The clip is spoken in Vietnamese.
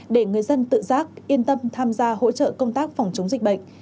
để người dân tự giác yên tâm tham gia hỗ trợ công tác phòng chống dịch bệnh